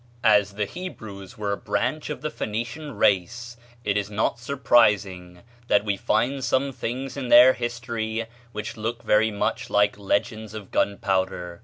As the Hebrews were a branch of the Phoenician race, it is not surprising that we find some things in their history which look very much like legends of gunpowder.